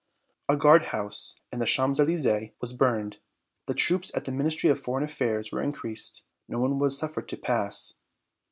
A guard house in the Champs Elysées was burned. The troops at the Ministry of Foreign Affairs were increased. No one was suffered to pass.